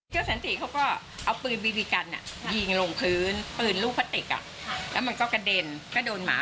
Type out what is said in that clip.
แล้วเขาก็ดำเนยคดีสันติว่ายิงพื้นในที่สาธารณะ